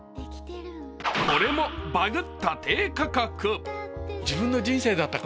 これもバグった低価格。